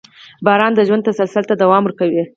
• باران د ژوند تسلسل ته دوام ورکوي.